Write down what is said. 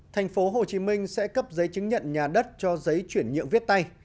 thành phố hồ chí minh sẽ cấp giấy chứng nhận nhà đất cho giấy chuyển nhượng viết tay